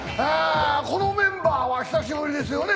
このメンバーは久しぶりですよね。